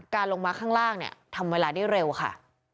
ลงมาข้างล่างเนี่ยทำเวลาได้เร็วค่ะ